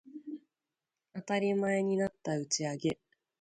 当たり前になった打ち上げ